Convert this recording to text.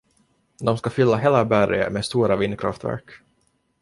De ska fylla hela berget med stora vindkraftverk.